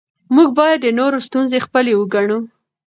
موږ باید د نورو ستونزې خپلې وګڼو